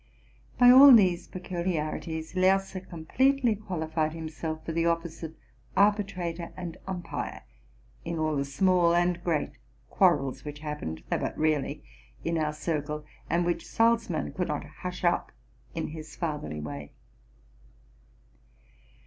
By all these peculiarities, Lerse completely qualified him self for the office of arbitrator and umpire in all the small and great quarrels which happened, though but rarely, in our circle, and which Salzmann could not hush up in his fa therly way.